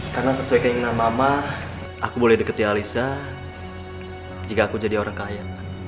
karena sesuai keinginan mama aku boleh deketi alisa jika aku jadi orang kaya